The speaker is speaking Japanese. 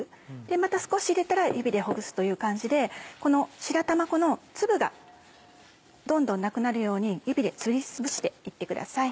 また少し入れたら指でほぐすという感じでこの白玉粉の粒がどんどんなくなるように指でつぶして行ってください。